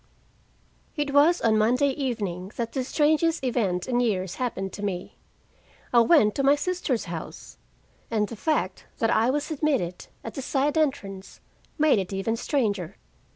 It was on Monday evening that the strangest event in years happened to me. I went to my sister's house! And the fact that I was admitted at a side entrance made it even stranger.